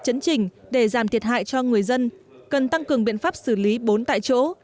các tỉnh để giảm thiệt hại cho người dân cần tăng cường biện pháp xử lý bốn tại chỗ